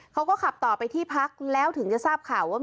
เขาก็ขับต่อไปที่พักแล้วถึงจะทราบข่าวว่า